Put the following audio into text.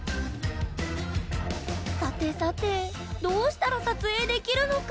さてさてどうしたら撮影できるのか。